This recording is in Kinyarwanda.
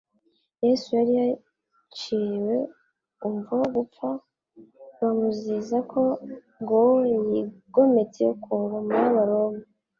Yesu yari yaciriwe umvo gupfa bamuziza ko ngo yigometse ku ngoma y'abaroma,